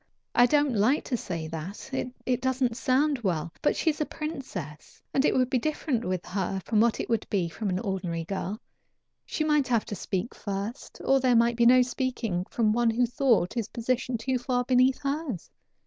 I don't like to say that it doesn't sound well but she is a princess, and it would be different with her from what it would be with an ordinary girl; she might have to speak first, or there might be no speaking from one who thought his position too far beneath hers.